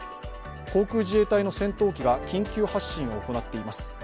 航空自衛隊の戦闘機が緊急発進を行っています。